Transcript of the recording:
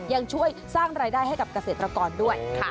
ยังช่วยสร้างรายได้ให้กับเกษตรกรด้วย